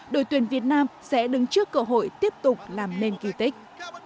đội tuyển việt nam sẽ đứng trước cơ hội tiếp tục làm nên kỳ tích